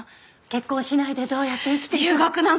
結婚しないでどうやって生きていくの？